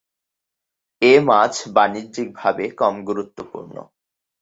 এ মাছ বাণিজ্যিকভাবে কম গুরুত্বপূর্ণ।